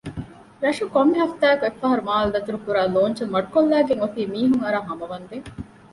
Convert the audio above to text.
ރަށުން ކޮންމެ ހަފްތާއަކު އެއްފަހަރު މާލެ ދަތުރު ކުރާ ލޯންޗު މަޑުކޮށްލައިގެންއޮތީ މީހުންއަރާ ހަމަވަންދެން